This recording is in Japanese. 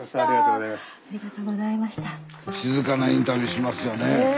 静かなインタビューしますよね。